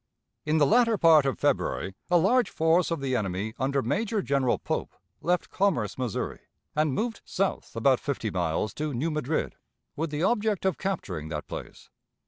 In the latter part of February a large force of the enemy under Major General Pope left Commerce, Missouri, and moved south about fifty miles to New Madrid, with the object of capturing that place.